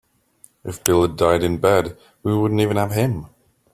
If Bill had died in bed we wouldn't even have him.